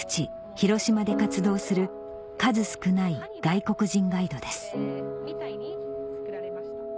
広島で活動する数少ない外国人ガイドです